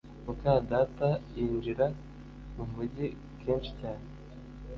muka data yinjira mumujyi kenshi cyane?